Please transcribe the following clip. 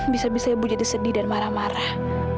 bisa bisa ibu jadi sedih dan marah marah